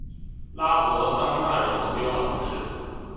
拉博桑讷人口变化图示